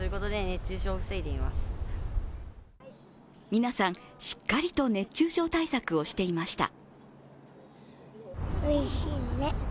皆さん、しっかりと熱中症対策をしていました。